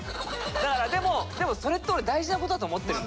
だからでもそれって俺大事なことだと思ってるんで。